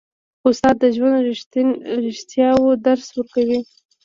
استاد د ژوند د رښتیاوو درس ورکوي.